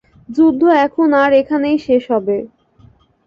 যুদ্ধ এখন আর এখানেই শেষ হবে!